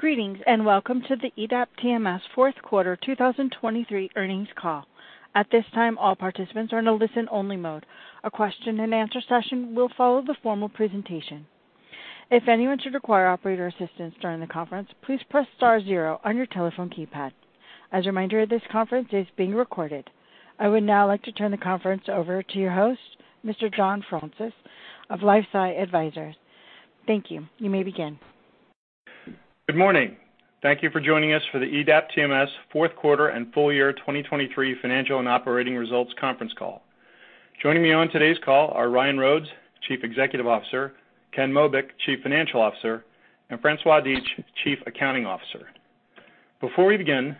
Greetings, and welcome to the EDAP TMS fourth quarter 2023 earnings call. At this time, all participants are in a listen-only mode. A question-and-answer session will follow the formal presentation. If anyone should require operator assistance during the conference, please press star zero on your telephone keypad. As a reminder, this conference is being recorded. I would now like to turn the conference over to your host, Mr. John Fraunces of LifeSci Advisors. Thank you. You may begin. Good morning. Thank you for joining us for the EDAP TMS fourth quarter and full year 2023 financial and operating results conference call. Joining me on today's call are Ryan Rhodes, Chief Executive Officer; Ken Mobeck, Chief Financial Officer; and François Dietsch, Chief Accounting Officer. Before we begin,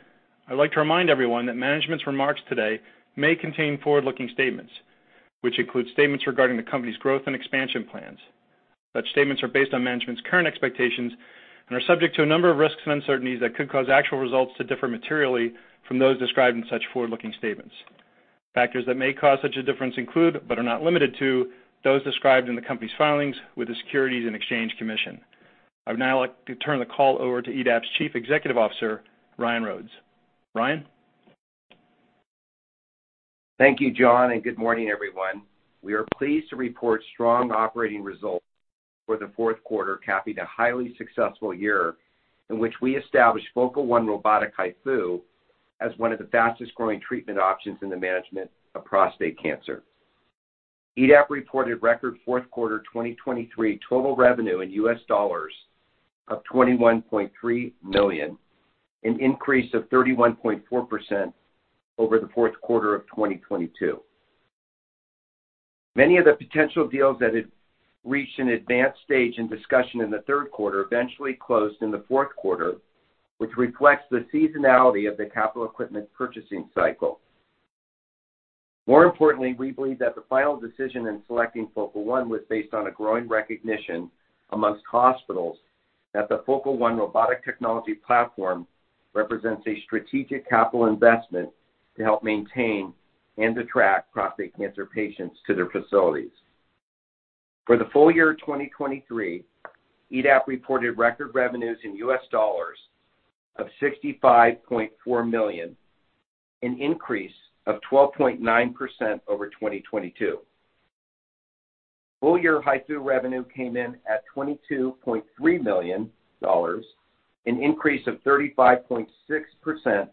I'd like to remind everyone that management's remarks today may contain forward-looking statements, which include statements regarding the company's growth and expansion plans. Such statements are based on management's current expectations and are subject to a number of risks and uncertainties that could cause actual results to differ materially from those described in such forward-looking statements. Factors that may cause such a difference include, but are not limited to, those described in the company's filings with the Securities and Exchange Commission. I would now like to turn the call over to EDAP's Chief Executive Officer, Ryan Rhodes. Ryan? Thank you, John, and good morning, everyone. We are pleased to report strong operating results for the fourth quarter, capping a highly successful year in which we established Focal One robotic HIFU as one of the fastest-growing treatment options in the management of prostate cancer. EDAP reported record fourth quarter 2023 total revenue in US dollars of $21.3 million, an increase of 31.4% over the fourth quarter of 2022. Many of the potential deals that had reached an advanced stage in discussion in the third quarter eventually closed in the fourth quarter, which reflects the seasonality of the capital equipment purchasing cycle. More importantly, we believe that the final decision in selecting Focal One was based on a growing recognition among hospitals that the Focal One robotic technology platform represents a strategic capital investment to help maintain and attract prostate cancer patients to their facilities. For the full year 2023, EDAP reported record revenues in US dollars of $65.4 million, an increase of 12.9% over 2022. Full-year HIFU revenue came in at $22.3 million, an increase of 35.6%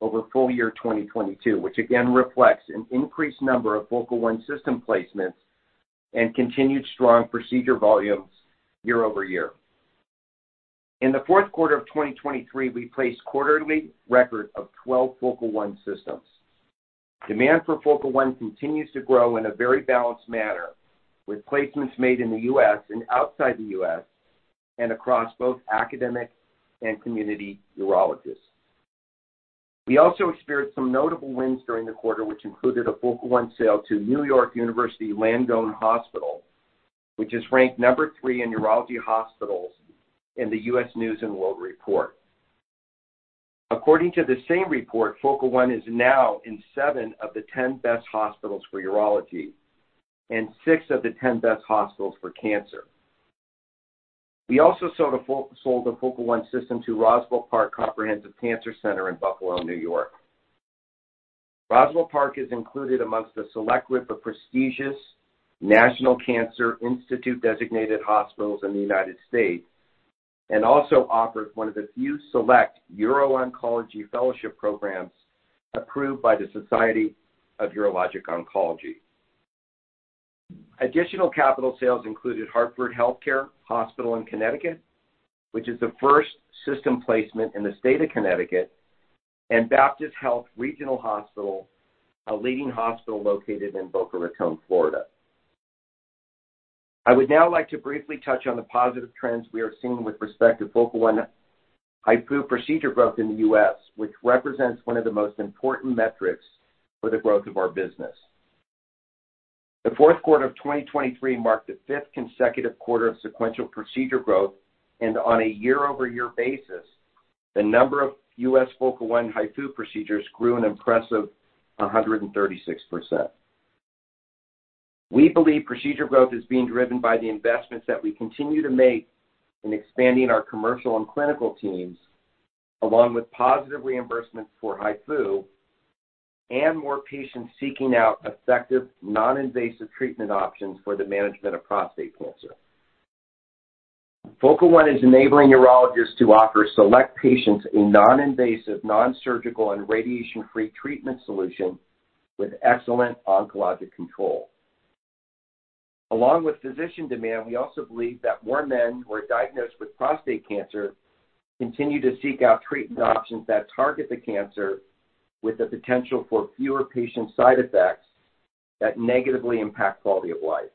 over full year 2022, which again reflects an increased number of Focal One system placements and continued strong procedure volumes year over year. In the fourth quarter of 2023, we placed quarterly record of 12 Focal One systems. Demand for Focal One continues to grow in a very balanced manner, with placements made in the US and outside the US and across both academic and community urologists. We also experienced some notable wins during the quarter, which included a Focal One sale to NYU Langone Health, which is ranked number 3 in urology hospitals in the U.S. News & World Report. According to the same report, Focal One is now in 7 of the 10 best hospitals for urology and 6 of the 10 best hospitals for cancer. We also sold a Focal One system to Roswell Park Comprehensive Cancer Center in Buffalo, New York. Roswell Park is included amongst a select group of prestigious National Cancer Institute-designated hospitals in the United States and also offers one of the few select urooncology fellowship programs approved by the Society of Urologic Oncology. Additional capital sales included Hartford HealthCare Hospital in Connecticut, which is the first system placement in the state of Connecticut, and Boca Raton Regional Hospital, a leading hospital located in Boca Raton, Florida. I would now like to briefly touch on the positive trends we are seeing with respect to Focal One HIFU procedure growth in the U.S., which represents one of the most important metrics for the growth of our business. The fourth quarter of 2023 marked the fifth consecutive quarter of sequential procedure growth, and on a year-over-year basis, the number of U.S. Focal One HIFU procedures grew an impressive 136%. We believe procedure growth is being driven by the investments that we continue to make in expanding our commercial and clinical teams, along with positive reimbursement for HIFU and more patients seeking out effective, non-invasive treatment options for the management of prostate cancer. Focal One is enabling urologists to offer select patients a non-invasive, non-surgical, and radiation-free treatment solution with excellent oncologic control. Along with physician demand, we also believe that more men who are diagnosed with prostate cancer continue to seek out treatment options that target the cancer with the potential for fewer patient side effects that negatively impact quality of life.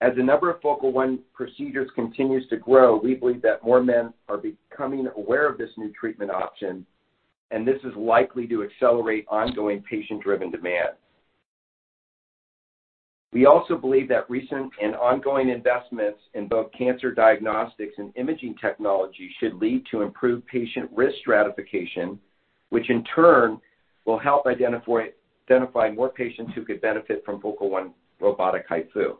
As the number of Focal One procedures continues to grow, we believe that more men are becoming aware of this new treatment option, and this is likely to accelerate ongoing patient-driven demand. We also believe that recent and ongoing investments in both cancer diagnostics and imaging technology should lead to improved patient risk stratification, which in turn will help identify, identify more patients who could benefit from Focal One robotic HIFU.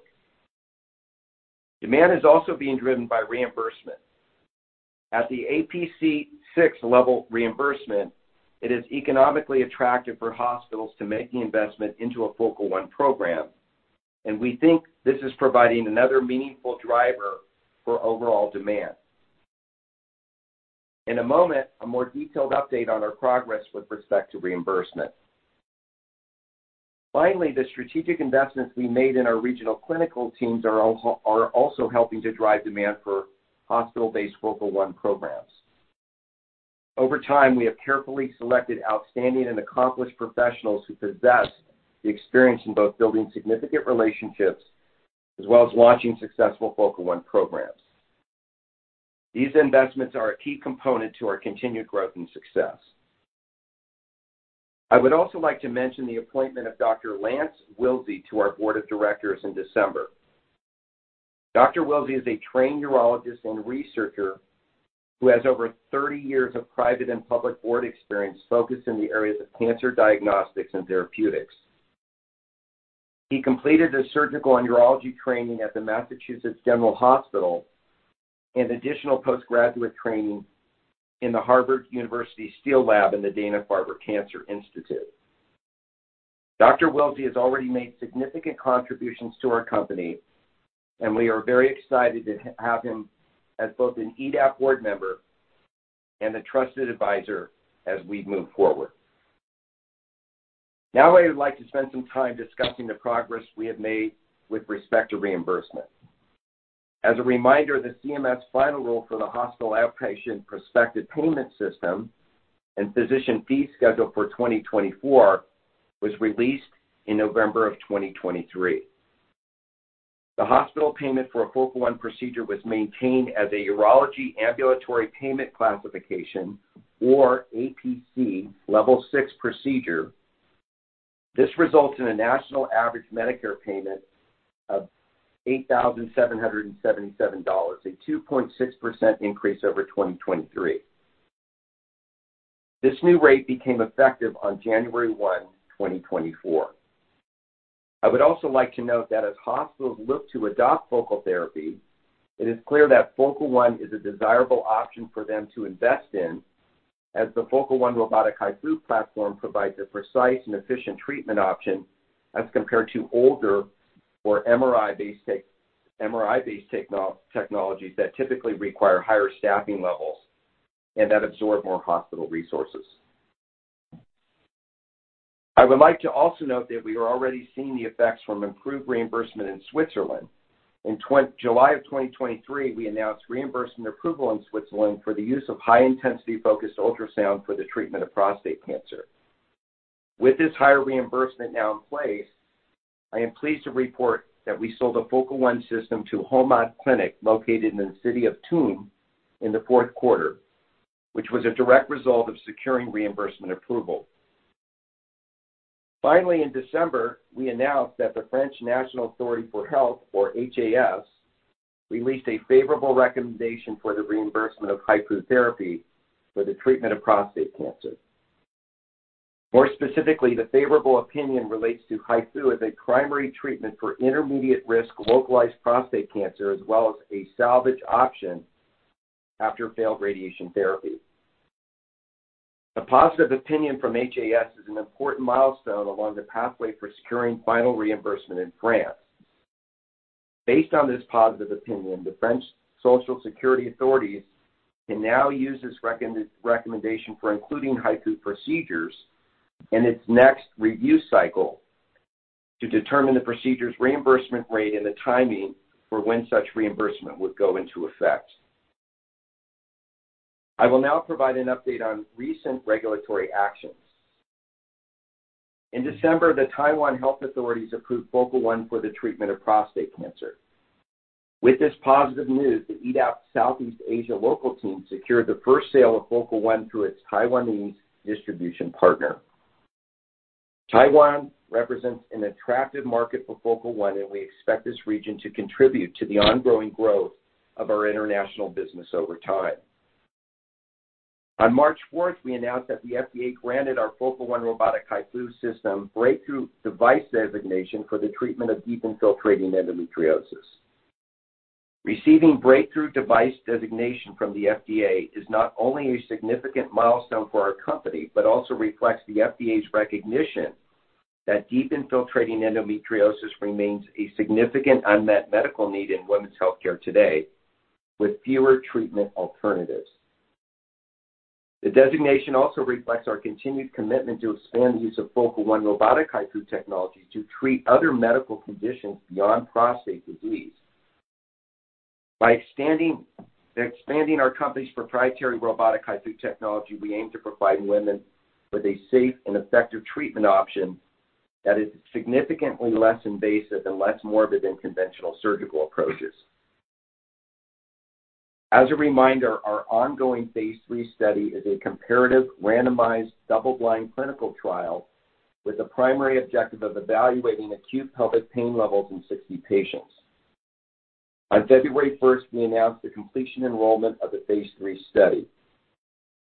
Demand is also being driven by reimbursement. At the APC 6 level reimbursement, it is economically attractive for hospitals to make the investment into a Focal One program, and we think this is providing another meaningful driver for overall demand. In a moment, a more detailed update on our progress with respect to reimbursement. Finally, the strategic investments we made in our regional clinical teams are also, are also helping to drive demand for hospital-based Focal One programs. Over time, we have carefully selected outstanding and accomplished professionals who possess the experience in both building significant relationships as well as launching successful Focal One programs. These investments are a key component to our continued growth and success. I would also like to mention the appointment of Dr. Lance Willsey to our board of directors in December. Dr. Willsey is a trained urologist and researcher who has over 30 years of private and public board experience focused in the areas of cancer diagnostics and therapeutics. He completed his surgical and urology training at the Massachusetts General Hospital and additional postgraduate training in the Harvard University Steele Lab in the Dana-Farber Cancer Institute. Dr. Willsey has already made significant contributions to our company, and we are very excited to have him as both an EDAP board member and a trusted advisor as we move forward. Now, I would like to spend some time discussing the progress we have made with respect to reimbursement. As a reminder, the CMS final rule for the hospital outpatient prospective payment system and physician fee schedule for 2024 was released in November of 2023. The hospital payment for a Focal One procedure was maintained as a urology ambulatory payment classification, or APC, level six procedure. This results in a national average Medicare payment of $8,777, a 2.6% increase over 2023. This new rate became effective on January 1, 2024. I would also like to note that as hospitals look to adopt focal therapy, it is clear that Focal One is a desirable option for them to invest in, as the Focal One robotic HIFU platform provides a precise and efficient treatment option as compared to older or MRI-based technologies that typically require higher staffing levels and that absorb more hospital resources. I would like to also note that we are already seeing the effects from improved reimbursement in Switzerland. In July of 2023, we announced reimbursement approval in Switzerland for the use of High-Intensity Focused Ultrasound for the treatment of prostate cancer. With this higher reimbursement now in place, I am pleased to report that we sold a Focal One system to Klinik Hohmad, located in the city of Thun, in the fourth quarter, which was a direct result of securing reimbursement approval. Finally, in December, we announced that the Haute Autorité de Santé (HAS), released a favorable recommendation for the reimbursement of HIFU therapy for the treatment of prostate cancer. More specifically, the favorable opinion relates to HIFU as a primary treatment for intermediate-risk localized prostate cancer, as well as a salvage option after failed radiation therapy. The positive opinion from HAS is an important milestone along the pathway for securing final reimbursement in France. Based on this positive opinion, the French Social Security authorities can now use this recommendation for including HIFU procedures in its next review cycle to determine the procedure's reimbursement rate and the timing for when such reimbursement would go into effect. I will now provide an update on recent regulatory actions. In December, the Taiwan health authorities approved Focal One for the treatment of prostate cancer. With this positive news, the EDAP Southeast Asia local team secured the first sale of Focal One through its Taiwanese distribution partner. Taiwan represents an attractive market for Focal One, and we expect this region to contribute to the ongoing growth of our international business over time. On March fourth, we announced that the FDA granted our Focal One robotic HIFU system breakthrough device designation for the treatment of deep infiltrating endometriosis. Receiving breakthrough device designation from the FDA is not only a significant milestone for our company, but also reflects the FDA's recognition that deep infiltrating endometriosis remains a significant unmet medical need in women's healthcare today, with fewer treatment alternatives. The designation also reflects our continued commitment to expand the use of Focal One robotic HIFU technology to treat other medical conditions beyond prostate disease. By expanding our company's proprietary robotic HIFU technology, we aim to provide women with a safe and effective treatment option that is significantly less invasive and less morbid than conventional surgical approaches. As a reminder, our ongoing phase 3 study is a comparative, randomized, double-blind clinical trial with the primary objective of evaluating acute pelvic pain levels in 60 patients. On February 1st, we announced the completion enrollment of the phase 3 study.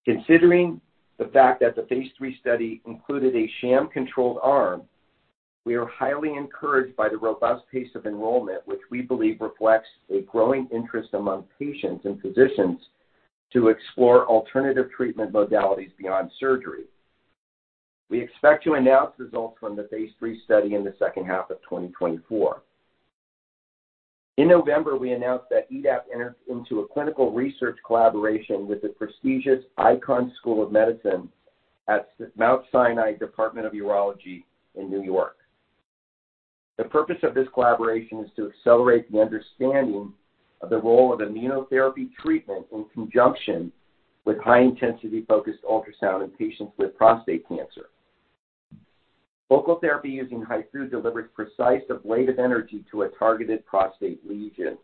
Considering the fact that the phase 3 study included a sham-controlled arm, we are highly encouraged by the robust pace of enrollment, which we believe reflects a growing interest among patients and physicians to explore alternative treatment modalities beyond surgery. We expect to announce results from the phase 3 study in the second half of 2024. In November, we announced that EDAP entered into a clinical research collaboration with the prestigious Icahn School of Medicine at Mount Sinai Department of Urology in New York. The purpose of this collaboration is to accelerate the understanding of the role of immunotherapy treatment in conjunction with high-intensity focused ultrasound in patients with prostate cancer. Focal therapy using HIFU delivers precise ablative energy to a targeted prostate lesion.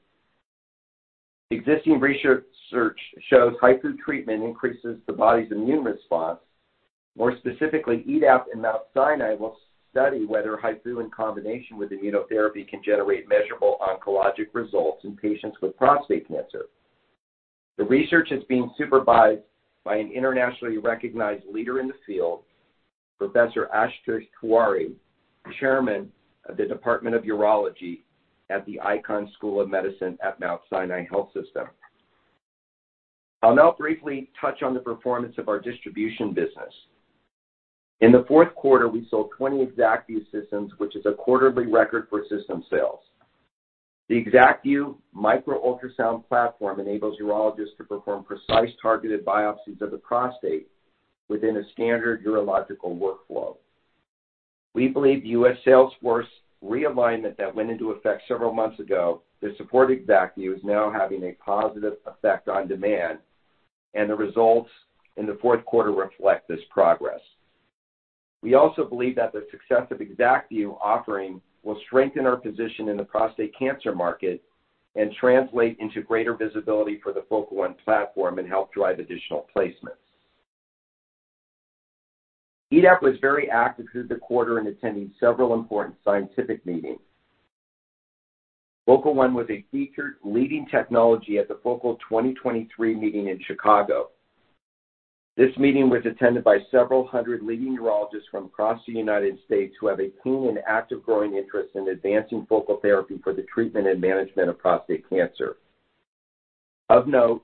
Existing research shows HIFU treatment increases the body's immune response. More specifically, EDAP and Mount Sinai will study whether HIFU in combination with immunotherapy can generate measurable oncologic results in patients with prostate cancer. The research is being supervised by an internationally recognized leader in the field, Professor Ashutosh Tewari, Chairman of the Department of Urology at the Icahn School of Medicine at Mount Sinai Health System. I'll now briefly touch on the performance of our distribution business. In the fourth quarter, we sold 20 ExactVu systems, which is a quarterly record for system sales. The ExactVu micro-ultrasound platform enables urologists to perform precise, targeted biopsies of the prostate within a standard urological workflow. We believe U.S. sales force realignment that went into effect several months ago to support ExactVu, is now having a positive effect on demand, and the results in the fourth quarter reflect this progress. We also believe that the success of ExactVu offering will strengthen our position in the prostate cancer market and translate into greater visibility for the Focal One platform and help drive additional placements. EDAP was very active through the quarter in attending several important scientific meetings. Focal One was a featured leading technology at the Focal 2023 meeting in Chicago. This meeting was attended by several hundred leading urologists from across the United States, who have a keen and active growing interest in advancing focal therapy for the treatment and management of prostate cancer. Of note,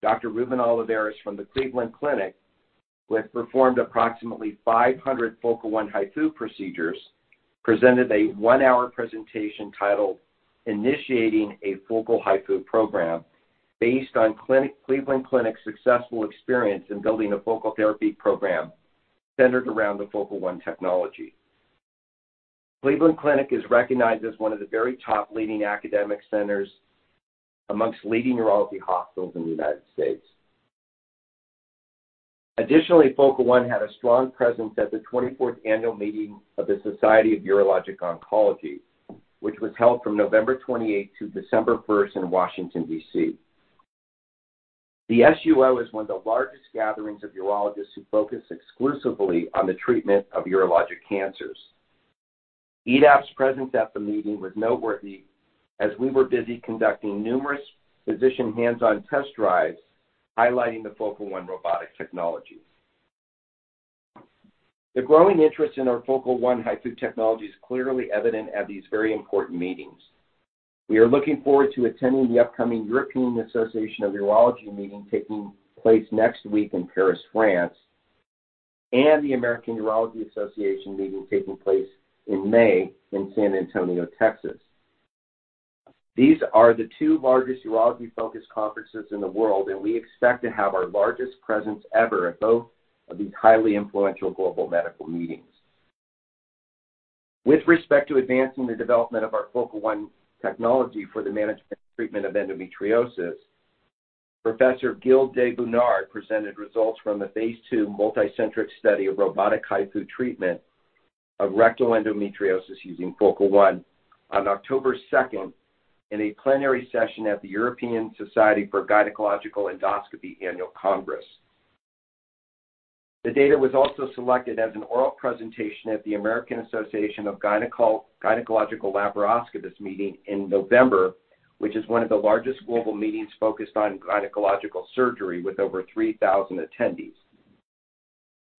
Dr. Ruben Olivares from the Cleveland Clinic, who has performed approximately 500 Focal One HIFU procedures, presented a 1-hour presentation titled Initiating a Focal HIFU Program, based on Cleveland Clinic's successful experience in building a focal therapy program centered around the Focal One technology. Cleveland Clinic is recognized as one of the very top leading academic centers amongst leading urology hospitals in the United States. Additionally, Focal One had a strong presence at the 24th annual meeting of the Society of Urologic Oncology, which was held from November 28 to December 1 in Washington, D.C. The SUO is one of the largest gatherings of urologists who focus exclusively on the treatment of urologic cancers. EDAP's presence at the meeting was noteworthy, as we were busy conducting numerous physician hands-on test drives, highlighting the Focal One robotic technology. The growing interest in our Focal One HIFU technology is clearly evident at these very important meetings. We are looking forward to attending the upcoming European Association of Urology meeting, taking place next week in Paris, France, and the American Urological Association meeting, taking place in May in San Antonio, Texas. These are the two largest urology-focused conferences in the world, and we expect to have our largest presence ever at both of these highly influential global medical meetings. With respect to advancing the development of our Focal One technology for the management and treatment of endometriosis, Professor Gil Dubernard presented results from the phase II multicentric study of robotic HIFU treatment of rectal endometriosis using Focal One on October second, in a plenary session at the European Society for Gynecological Endoscopy annual Congress. The data was also selected as an oral presentation at the American Association of Gynecological Laparoscopists meeting in November, which is one of the largest global meetings focused on gynecological surgery, with over 3,000 attendees.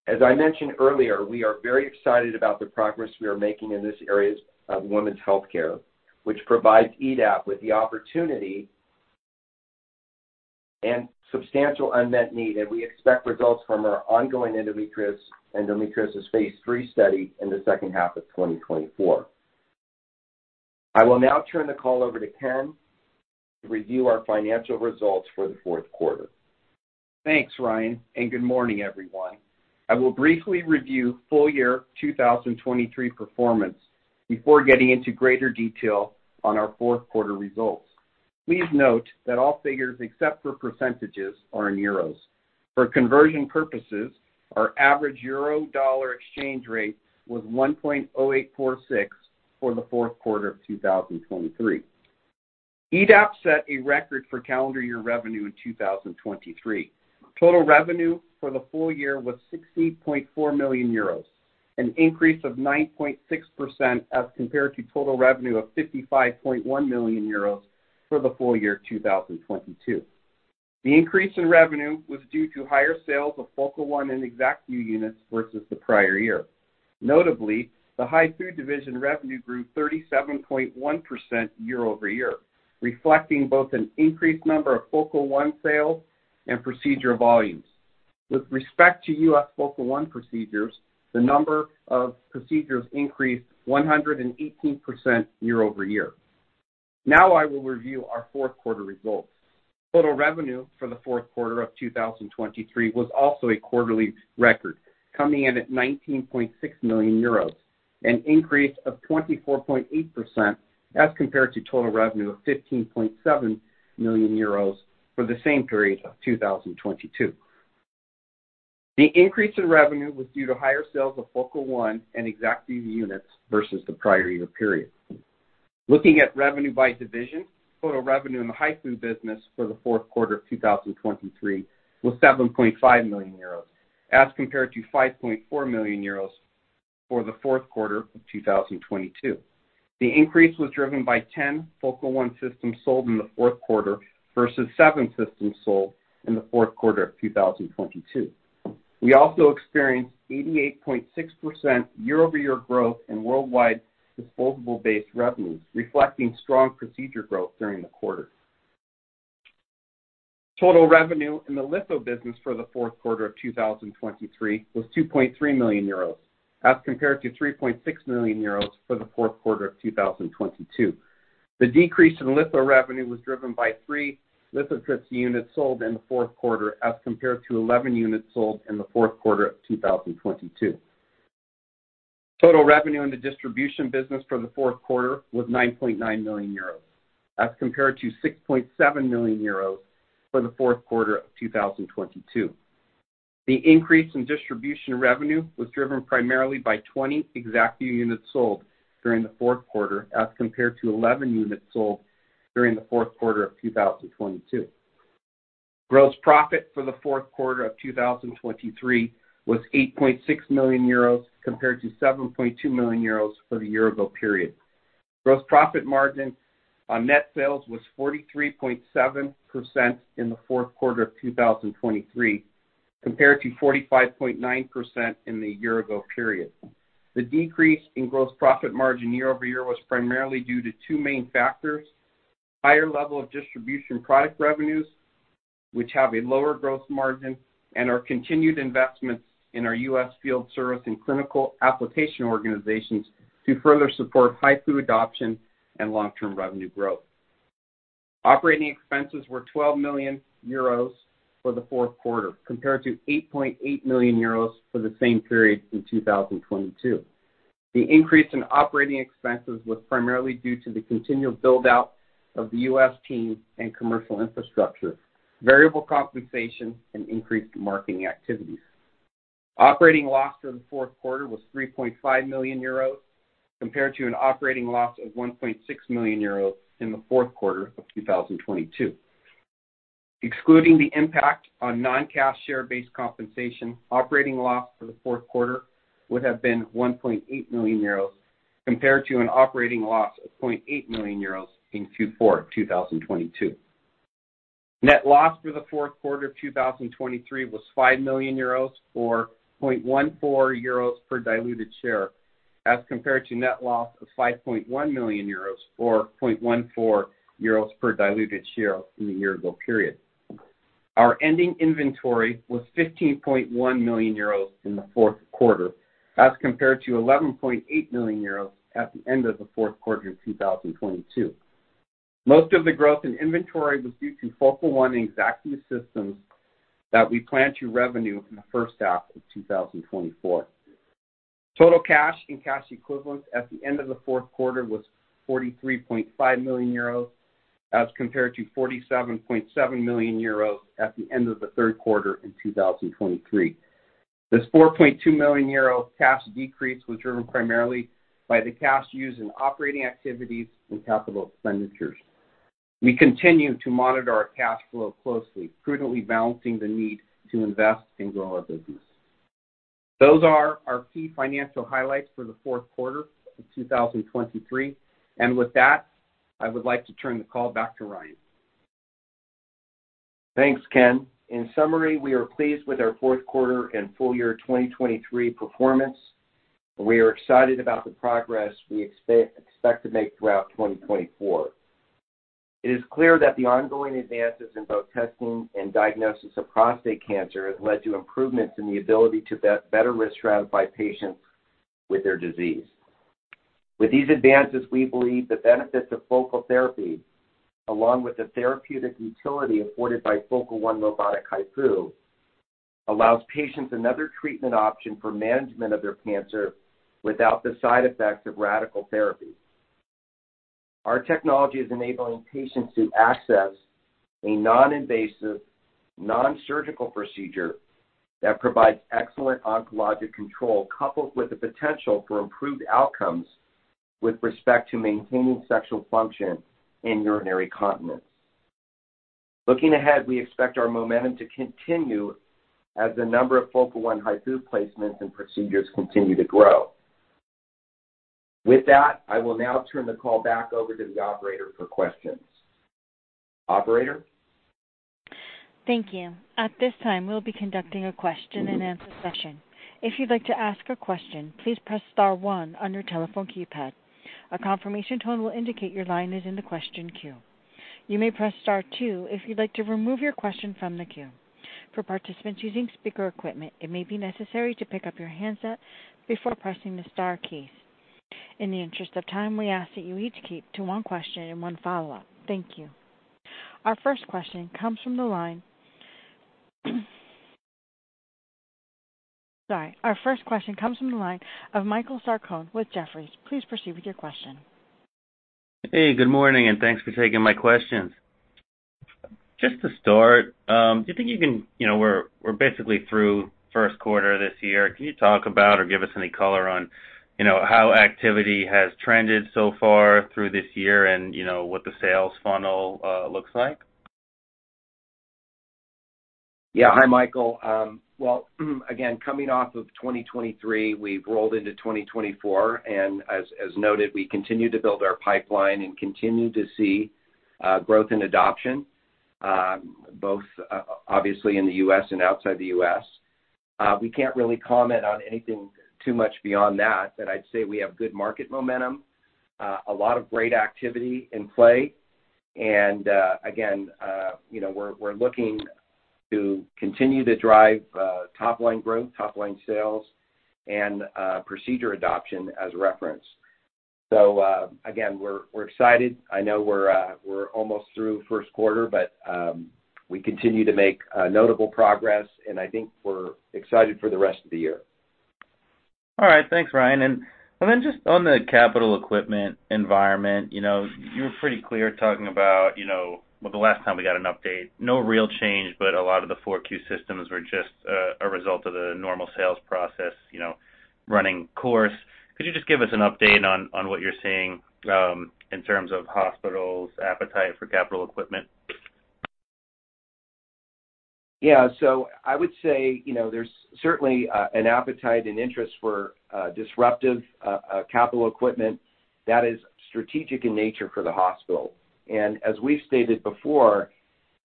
As I mentioned earlier, we are very excited about the progress we are making in these areas of women's healthcare, which provides EDAP with the opportunity and substantial unmet need, and we expect results from our ongoing endometriosis, endometriosis phase III study in the second half of 2024. I will now turn the call over to Ken to review our financial results for the fourth quarter. Thanks, Ryan, and good morning, everyone. I will briefly review full year 2023 performance before getting into greater detail on our fourth quarter results. Please note that all figures, except for percentages, are in EUR. For conversion purposes, our average euro-dollar exchange rate was 1.0846 for the fourth quarter of 2023. EDAP set a record for calendar year revenue in 2023. Total revenue for the full year was 60.4 million euros, an increase of 9.6% as compared to total revenue of 55.1 million euros for the full year, 2022. The increase in revenue was due to higher sales of Focal One and ExactVu units versus the prior year. Notably, the HIFU division revenue grew 37.1% year-over-year, reflecting both an increased number of Focal One sales and procedure volumes. With respect to U.S. Focal One procedures, the number of procedures increased 118% year-over-year. Now I will review our fourth quarter results. Total revenue for the fourth quarter of 2023 was also a quarterly record, coming in at 19.6 million euros, an increase of 24.8% as compared to total revenue of 15.7 million euros for the same period of 2022. The increase in revenue was due to higher sales of Focal One and ExactVu units versus the prior year period. Looking at revenue by division, total revenue in the HIFU business for the fourth quarter of 2023 was 7.5 million euros, as compared to 5.4 million euros for the fourth quarter of 2022. The increase was driven by 10 Focal One systems sold in the fourth quarter versus 7 systems sold in the fourth quarter of 2022. We also experienced 88.6% year-over-year growth in worldwide disposable-based revenues, reflecting strong procedure growth during the quarter. Total revenue in the litho business for the fourth quarter of 2023 was 2.3 million euros, as compared to 3.6 million euros for the fourth quarter of 2022. The decrease in litho revenue was driven by 3 lithotripsy units sold in the fourth quarter, as compared to 11 units sold in the fourth quarter of 2022. Total revenue in the distribution business for the fourth quarter was 9.9 million euros, as compared to 6.7 million euros for the fourth quarter of 2022. The increase in distribution revenue was driven primarily by 20 ExactVu units sold during the fourth quarter, as compared to 11 units sold during the fourth quarter of 2022. Gross profit for the fourth quarter of 2023 was 8.6 million euros, compared to 7.2 million euros for the year ago period. Gross profit margin on net sales was 43.7% in the fourth quarter of 2023, compared to 45.9% in the year ago period. The decrease in gross profit margin year-over-year was primarily due to two main factors: higher level of distribution product revenues, which have a lower gross margin, and our continued investments in our U.S. field service and clinical application organizations to further support HIFU adoption and long-term revenue growth. Operating expenses were 12 million euros for the fourth quarter, compared to 8.8 million euros for the same period in 2022. The increase in operating expenses was primarily due to the continual build-out of the U.S. team and commercial infrastructure, variable compensation and increased marketing activities. Operating loss for the fourth quarter was 3.5 million euros, compared to an operating loss of 1.6 million euros in the fourth quarter of 2022. Excluding the impact on non-cash share-based compensation, operating loss for the fourth quarter would have been 1.8 million euros, compared to an operating loss of 0.8 million euros in Q4 of 2022. Net loss for the fourth quarter of 2023 was 5 million euros, or 0.14 euros per diluted share, as compared to net loss of 5.1 million euros, or 0.14 euros per diluted share in the year ago period. Our ending inventory was 15.1 million euros in the fourth quarter, as compared to 11.8 million euros at the end of the fourth quarter of 2022. Most of the growth in inventory was due to Focal One and ExactVu systems that we plan to revenue in the first half of 2024. Total cash and cash equivalents at the end of the fourth quarter was 43.5 million euros, as compared to 47.7 million euros at the end of the third quarter in 2023. This 4.2 million euro cash decrease was driven primarily by the cash used in operating activities and capital expenditures. We continue to monitor our cash flow closely, prudently balancing the need to invest and grow our business. Those are our key financial highlights for the fourth quarter of 2023. With that, I would like to turn the call back to Ryan. Thanks, Ken. In summary, we are pleased with our fourth quarter and full year 2023 performance. We are excited about the progress we expect to make throughout 2024. It is clear that the ongoing advances in both testing and diagnosis of prostate cancer has led to improvements in the ability to better risk stratify patients with their disease. With these advances, we believe the benefits of focal therapy, along with the therapeutic utility afforded by Focal One robotic HIFU, allows patients another treatment option for management of their cancer without the side effects of radical therapy. Our technology is enabling patients to access a non-invasive, non-surgical procedure that provides excellent oncologic control, coupled with the potential for improved outcomes with respect to maintaining sexual function and urinary continence.... Looking ahead, we expect our momentum to continue as the number of Focal One HIFUplacements and procedures continue to grow. With that, I will now turn the call back over to the operator for questions. Operator? Thank you. At this time, we'll be conducting a question-and-answer session. If you'd like to ask a question, please press star one on your telephone keypad. A confirmation tone will indicate your line is in the question queue. You may press star two if you'd like to remove your question from the queue. For participants using speaker equipment, it may be necessary to pick up your handset before pressing the star keys. In the interest of time, we ask that you each keep to one question and one follow-up. Thank you. Our first question comes from the line of Michael Sarcone with Jefferies. Please proceed with your question. Hey, good morning, and thanks for taking my questions. Just to start, do you think you can... You know, we're basically through first quarter this year. Can you talk about or give us any color on, you know, how activity has trended so far through this year and, you know, what the sales funnel looks like? Yeah. Hi, Michael. Well, again, coming off of 2023, we've rolled into 2024, and as noted, we continue to build our pipeline and continue to see growth and adoption, both obviously in the US and outside the US. We can't really comment on anything too much beyond that, but I'd say we have good market momentum, a lot of great activity in play. And again, you know, we're looking to continue to drive top line growth, top line sales, and procedure adoption as referenced. So again, we're excited. I know we're almost through first quarter, but we continue to make notable progress, and I think we're excited for the rest of the year. All right. Thanks, Ryan. And then just on the capital equipment environment, you know, you were pretty clear talking about, you know, well, the last time we got an update, no real change, but a lot of the Q4 systems were just a result of the normal sales process, you know, running course. Could you just give us an update on what you're seeing in terms of hospitals' appetite for capital equipment? Yeah. So I would say, you know, there's certainly an appetite and interest for disruptive capital equipment that is strategic in nature for the hospital. And as we've stated before,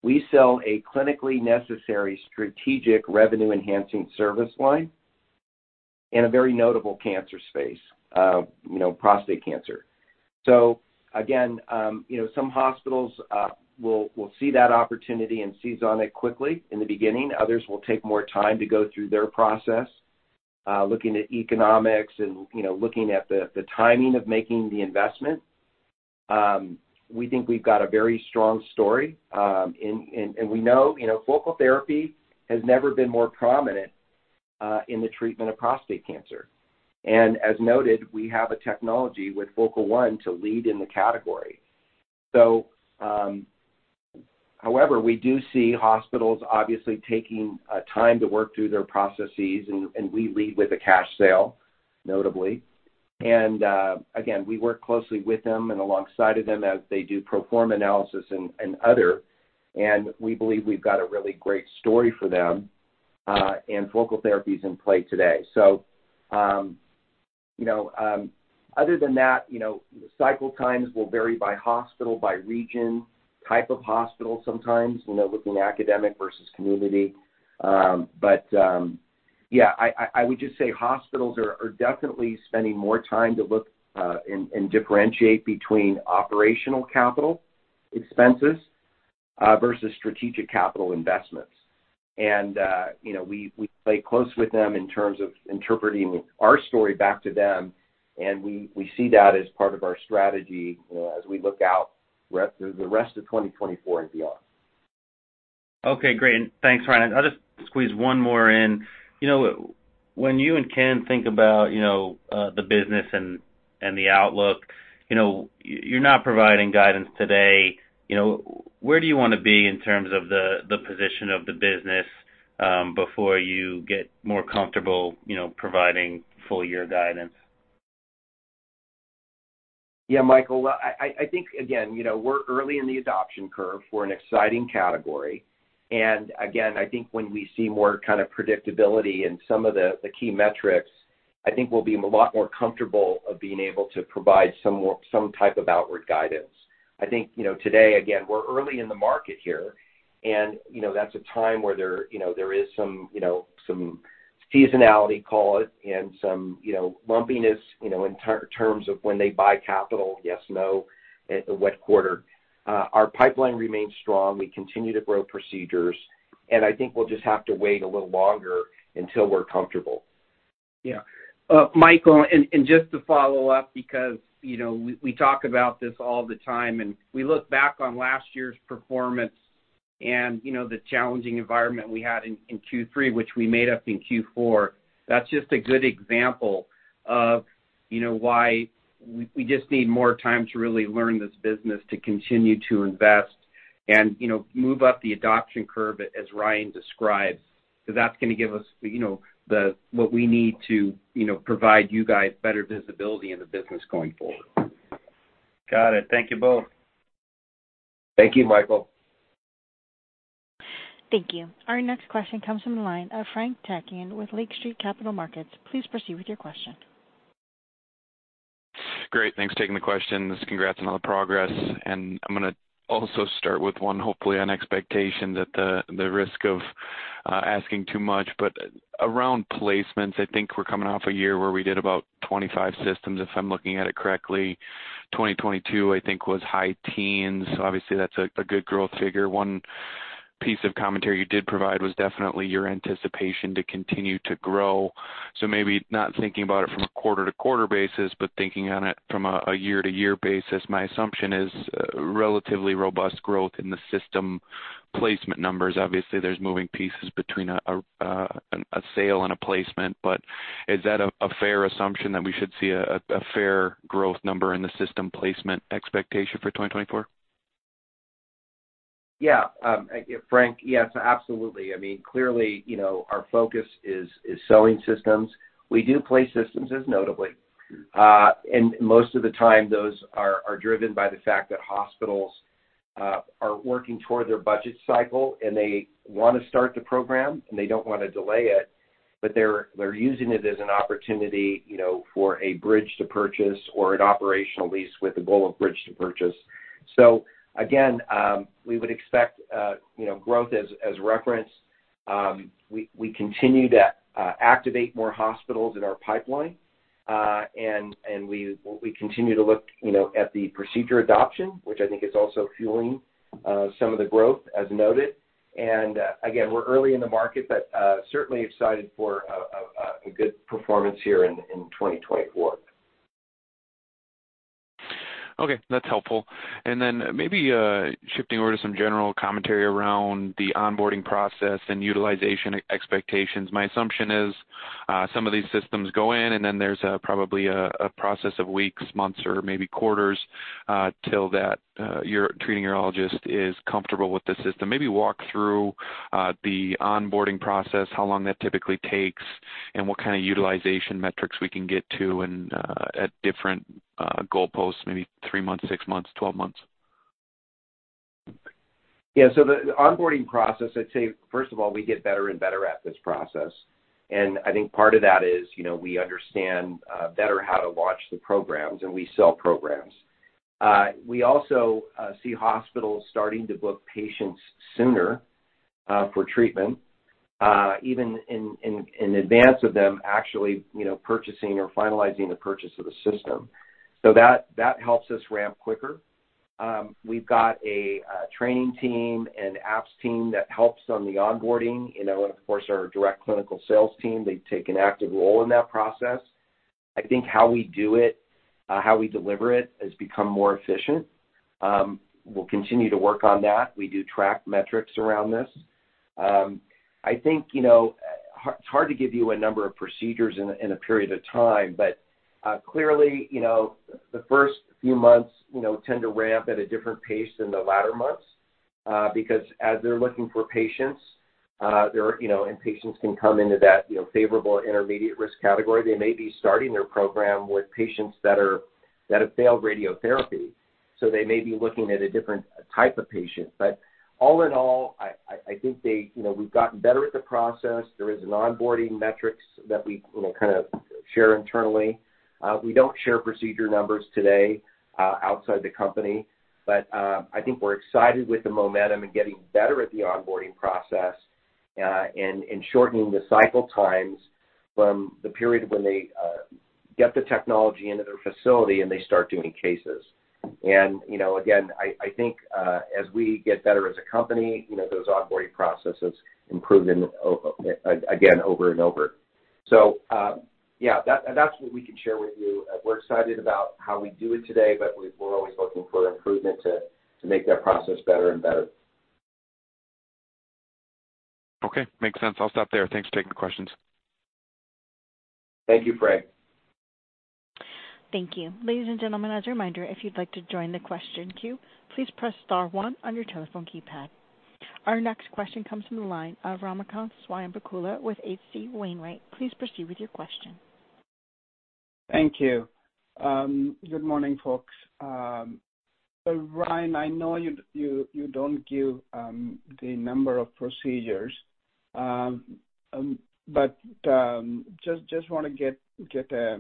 we sell a clinically necessary strategic revenue-enhancing service line in a very notable cancer space, you know, prostate cancer. So again, you know, some hospitals will see that opportunity and seize on it quickly in the beginning. Others will take more time to go through their process, looking at economics and, you know, looking at the timing of making the investment. We think we've got a very strong story, and we know, you know, focal therapy has never been more prominent in the treatment of prostate cancer. And as noted, we have a technology with Focal One to lead in the category. So, however, we do see hospitals obviously taking time to work through their processes, and we lead with a cash sale, notably. And again, we work closely with them and alongside of them as they do pro forma analysis and other, and we believe we've got a really great story for them, and focal therapy is in play today. So, you know, other than that, you know, cycle times will vary by hospital, by region, type of hospital sometimes, you know, looking academic versus community. But yeah, I would just say hospitals are definitely spending more time to look and differentiate between operational capital expenses versus strategic capital investments. You know, we play close with them in terms of interpreting our story back to them, and we see that as part of our strategy, you know, as we look out the rest of 2024 and beyond. Okay, great. Thanks, Ryan. I'll just squeeze one more in. You know, when you and Ken think about, you know, the business and the outlook, you know, you're not providing guidance today. You know, where do you want to be in terms of the position of the business, before you get more comfortable, you know, providing full year guidance? Yeah, Michael, well, I think, again, you know, we're early in the adoption curve for an exciting category. And again, I think when we see more kind of predictability in some of the key metrics, I think we'll be a lot more comfortable of being able to provide some more, some type of outward guidance. I think, you know, today, again, we're early in the market here, and, you know, that's a time where there, you know, there is some, you know, some seasonality, call it, and some, you know, lumpiness, you know, in terms of when they buy capital, what quarter. Our pipeline remains strong. We continue to grow procedures, and I think we'll just have to wait a little longer until we're comfortable. Yeah. Michael, and just to follow up, because, you know, we talk about this all the time, and we look back on last year's performance and, you know, the challenging environment we had in Q3, which we made up in Q4. That's just a good example of, you know, why we just need more time to really learn this business, to continue to invest and, you know, move up the adoption curve as Ryan described. So that's going to give us, you know, what we need to, you know, provide you guys better visibility in the business going forward. Got it. Thank you both. Thank you, Michael. Thank you. Our next question comes from the line of Frank Takkinen with Lake Street Capital Markets. Please proceed with your question. Great, thanks for taking the question. Congrats on all the progress. And I'm gonna also start with one, hopefully, on expectation that the risk of asking too much, but around placements, I think we're coming off a year where we did about 25 systems, if I'm looking at it correctly. 2022, I think, was high teens. So obviously, that's a good growth figure. One piece of commentary you did provide was definitely your anticipation to continue to grow. So maybe not thinking about it from a quarter-to-quarter basis, but thinking on it from a year-to-year basis, my assumption is relatively robust growth in the system placement numbers. Obviously, there's moving pieces between a sale and a placement. But is that a fair assumption that we should see a fair growth number in the system placement expectation for 2024? Yeah. Frank, yes, absolutely. I mean, clearly, you know, our focus is selling systems. We do place systems as noted. And most of the time, those are driven by the fact that hospitals are working toward their budget cycle, and they want to start the program, and they don't want to delay it, but they're using it as an opportunity, you know, for a bridge to purchase or an operational lease with the goal of bridge to purchase. So again, we would expect, you know, growth as referenced. We continue to activate more hospitals in our pipeline, and we continue to look, you know, at the procedure adoption, which I think is also fueling some of the growth, as noted. Again, we're early in the market, but certainly excited for a good performance here in 2024. Okay, that's helpful. And then maybe shifting over to some general commentary around the onboarding process and utilization expectations. My assumption is some of these systems go in, and then there's probably a process of weeks, months, or maybe quarters till your treating urologist is comfortable with the system. Maybe walk through the onboarding process, how long that typically takes, and what kind of utilization metrics we can get to and at different goalposts, maybe 3 months, 6 months, 12 months. Yeah. So the onboarding process, I'd say, first of all, we get better and better at this process. I think part of that is, you know, we understand better how to launch the programs, and we sell programs. We also see hospitals starting to book patients sooner for treatment, even in advance of them, actually, you know, purchasing or finalizing the purchase of the system. So that helps us ramp quicker. We've got a training team, an apps team that helps on the onboarding, you know, and of course, our direct clinical sales team, they take an active role in that process. I think how we do it, how we deliver it, has become more efficient. We'll continue to work on that. We do track metrics around this. I think, you know, it's hard to give you a number of procedures in a, in a period of time, but, clearly, you know, the first few months, you know, tend to ramp at a different pace than the latter months, because as they're looking for patients, they're, you know, and patients can come into that, you know, favorable intermediate risk category. They may be starting their program with patients that have failed radiotherapy, so they may be looking at a different type of patient. But all in all, I think they, you know, we've gotten better at the process. There is an onboarding metrics that we, you know, kind of share internally. We don't share procedure numbers today outside the company, but I think we're excited with the momentum and getting better at the onboarding process and shortening the cycle times from the period of when they get the technology into their facility, and they start doing cases. And, you know, again, I think, as we get better as a company, you know, those onboarding processes improve and again, over and over. So, yeah, that's what we can share with you. We're excited about how we do it today, but we're always looking for improvement to make that process better and better. Okay, makes sense. I'll stop there. Thanks for taking the questions. Thank you, Frank. Thank you. Ladies and gentlemen, as a reminder, if you'd like to join the question queue, please press star one on your telephone keypad. Our next question comes from the line of Ramakanth Swayampakula with H.C. Wainwright. Please proceed with your question. Thank you. Good morning, folks. So Ryan, I know you don't give the number of procedures, but just want to get a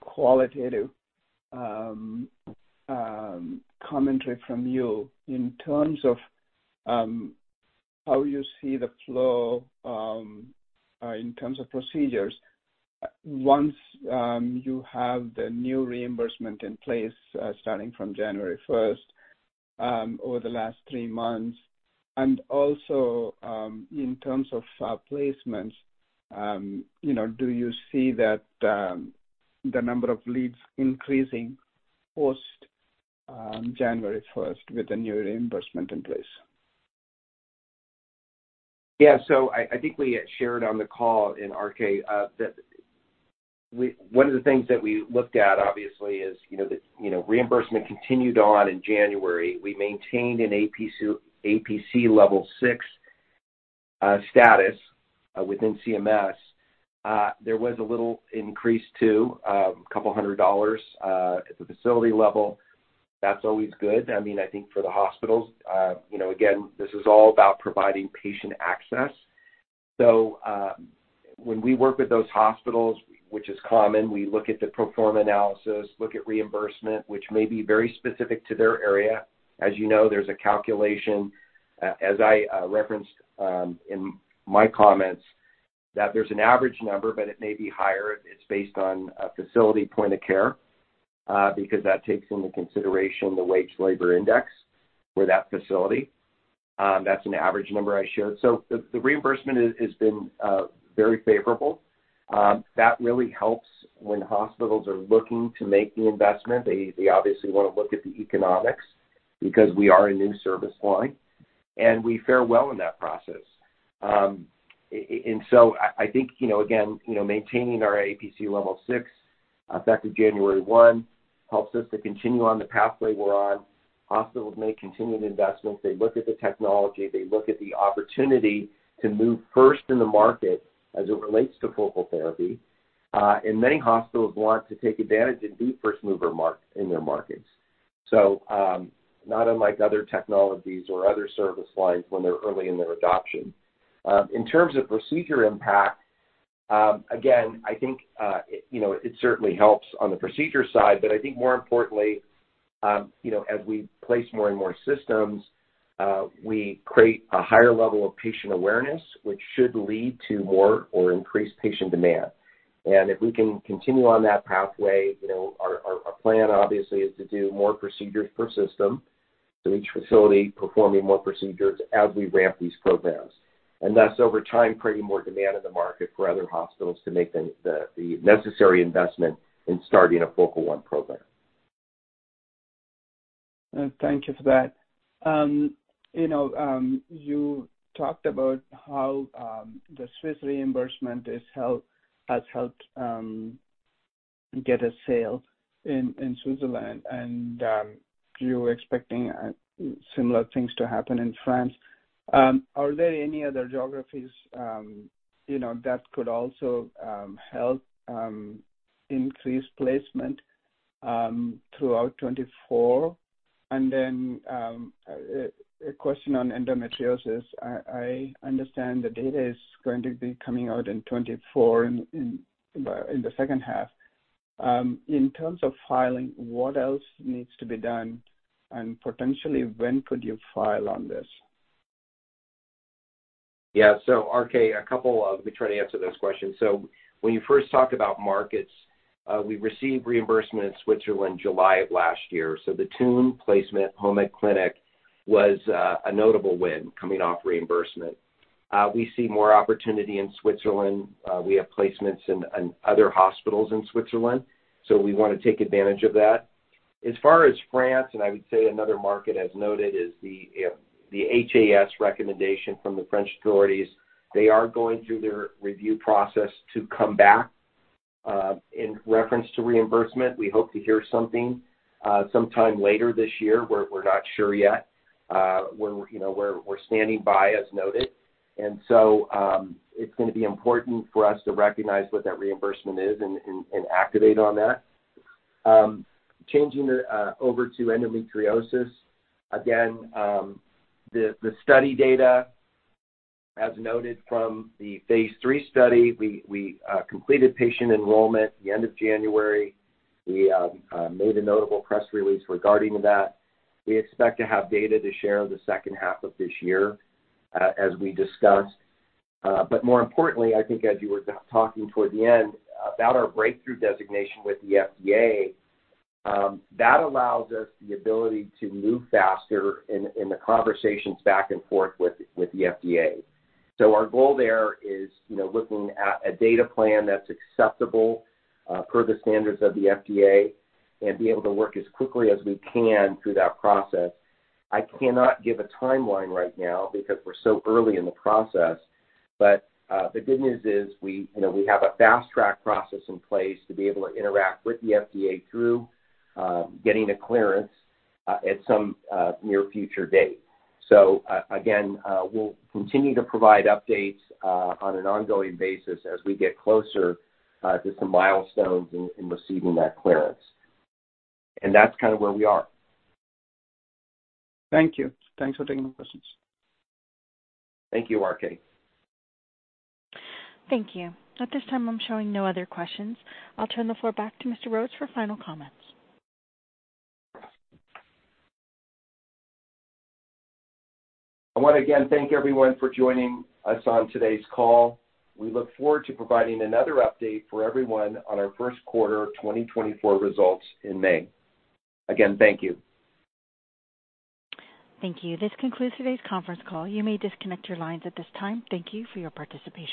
qualitative commentary from you in terms of how you see the flow in terms of procedures once you have the new reimbursement in place, starting from January first, over the last three months, and also in terms of placements, you know, do you see that the number of leads increasing post January first with the new reimbursement in place? Yeah. So I think we shared on the call in RK that we one of the things that we looked at, obviously, is, you know, the, you know, reimbursement continued on in January. We maintained an APC level 6 status within CMS. There was a little increase too, a couple hundred dollars at the facility level. That's always good. I mean, I think for the hospitals, you know, again, this is all about providing patient access. So when we work with those hospitals, which is common, we look at the pro forma analysis, look at reimbursement, which may be very specific to their area. As you know, there's a calculation, as I referenced, in my comments, that there's an average number, but it may be higher. It's based on a facility point of care, because that takes into consideration the wage labor index for that facility. That's an average number I showed. So the reimbursement is, has been, very favorable. That really helps when hospitals are looking to make the investment. They obviously wanna look at the economics because we are a new service line, and we fare well in that process. And so I think, you know, again, you know, maintaining our APC level 6, effective January 1, helps us to continue on the pathway we're on. Hospitals make continued investments. They look at the technology, they look at the opportunity to move first in the market as it relates to focal therapy. And many hospitals want to take advantage and be first mover mark in their markets. Not unlike other technologies or other service lines when they're early in their adoption. In terms of procedure impact, again, I think, you know, it certainly helps on the procedure side, but I think more importantly, you know, as we place more and more systems, we create a higher level of patient awareness, which should lead to more or increased patient demand. If we can continue on that pathway, you know, our plan obviously is to do more procedures per system, so each facility performing more procedures as we ramp these programs. Thus, over time, creating more demand in the market for other hospitals to make the necessary investment in starting a Focal One program. Thank you for that. You know, you talked about how the Swiss reimbursement has helped, has helped get a sale in Switzerland, and you're expecting similar things to happen in France. Are there any other geographies, you know, that could also help increase placement throughout 2024? And then, a question on endometriosis. I understand the data is going to be coming out in 2024, in the second half. In terms of filing, what else needs to be done? And potentially, when could you file on this? Yeah. So, RK, a couple of... Let me try to answer those questions. So when you first talked about markets, we received reimbursement in Switzerland, July of last year. So the Thun placement, Klinik Hohmad was a notable win coming off reimbursement. We see more opportunity in Switzerland. We have placements in other hospitals in Switzerland, so we wanna take advantage of that. As far as France, and I would say another market, as noted, is the HAS recommendation from the French authorities. They are going through their review process to come back in reference to reimbursement. We hope to hear something sometime later this year. We're not sure yet. We're, you know, we're standing by as noted. And so, it's gonna be important for us to recognize what that reimbursement is and, and, and activate on that. Changing the over to endometriosis. Again, the study data, as noted from the phase 3 study, we completed patient enrollment the end of January. We made a notable press release regarding that. We expect to have data to share in the second half of this year, as we discussed. But more importantly, I think as you were talking toward the end about our breakthrough designation with the FDA, that allows us the ability to move faster in the conversations back and forth with the FDA. So our goal there is, you know, looking at a data plan that's acceptable, per the standards of the FDA, and be able to work as quickly as we can through that process. I cannot give a timeline right now because we're so early in the process, but, the good news is we, you know, we have a fast track process in place to be able to interact with the FDA through, getting a clearance, at some, near future date. So, again, we'll continue to provide updates, on an ongoing basis as we get closer, to some milestones in receiving that clearance. And that's kind of where we are. Thank you. Thanks for taking the questions. Thank you, RK. Thank you. At this time, I'm showing no other questions. I'll turn the floor back to Mr. Rhodes for final comments. I wanna again thank everyone for joining us on today's call. We look forward to providing another update for everyone on our first quarter of 2024 results in May. Again, thank you. Thank you. This concludes today's conference call. You may disconnect your lines at this time. Thank you for your participation.